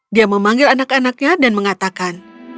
dia memanggil anak anaknya dan mengatakan